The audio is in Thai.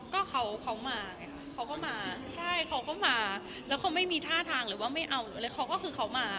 ก็เขาเขามาไงเขาก็มาใช่เขาก็มาแล้วเขาไม่มีท่าทางหรือว่าไม่เอาหรืออะไรเขาก็คือเขามา